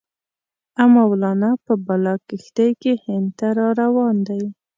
او مولنا په بله کښتۍ کې هند ته را روان دی.